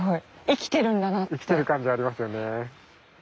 生きてる感じありますよね。